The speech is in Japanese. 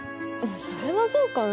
それはどうかな。